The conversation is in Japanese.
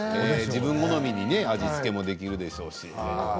自分好みの味付けもできるでしょうし。